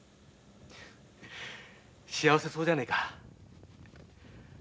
幸せそうじゃねえか。